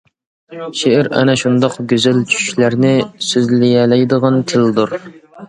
شېئىر ئەنە شۇنداق گۈزەل چۈشلەرنى سۆزلىيەلەيدىغان تىلدۇر.